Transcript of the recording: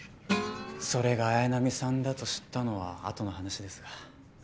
それが綾波さんだと知ったのは後の話ですが。